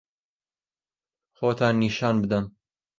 خۆتان نیشان بدەن.